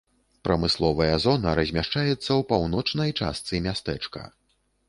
Прамысловая зона размяшчаецца ў паўночнай частцы мястэчка.